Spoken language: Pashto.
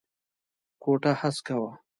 کوټه هسکه وه.